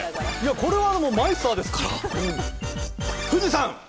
これはマイスターですから富士山！